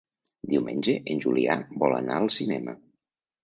Diumenge en Julià vol anar al cinema.